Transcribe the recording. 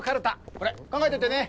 これ考えといてね。